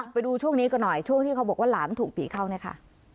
ไปดูช่วงนี้กันหน่อยช่วงที่เขาบอกว่าหลานถูกผีเข้าเนี่ยค่ะ